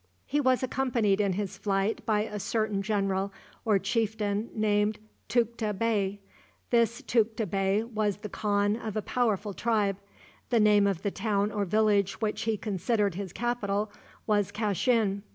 He was accompanied in his flight by a certain general or chieftain named Tukta Bey. This Tukta Bey was the khan of a powerful tribe. The name of the town or village which he considered his capital was Kashin.